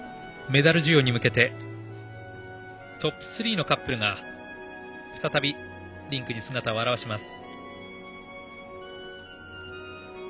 メダル授与に向けてトップ３のカップルが再び、リンクに姿を現します。